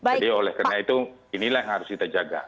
jadi oleh karena itu inilah yang harus kita jaga